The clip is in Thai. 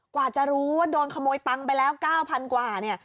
กว่าจะรู้ว่าโดนขโมยตังค์ไปแล้ว๙๐๐กว่าเนี่ย